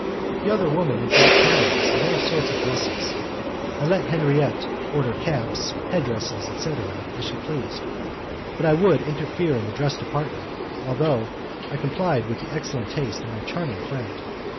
The other woman had brought patterns of all sorts of dresses. I let Henriette order caps, head dresses, etc., as she pleased, but I would interfere in the dress department although I complied with the excellent taste of my charming friend.